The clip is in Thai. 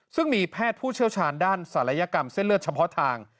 ซึ่งมีแพทย์ผู้เชี่ยวชาญด้านศัลยกรรมเส้นเลือดเฉพาะทาง